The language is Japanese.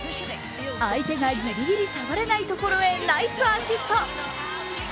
相手がギリギリ触れないところへナイスアシスト。